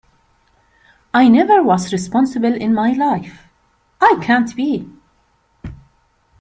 I never was responsible in my life — I can't be.